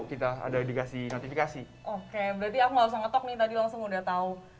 kita ada dikasih notifikasi oke berarti aku gak usah ngetok nih tadi langsung udah tahu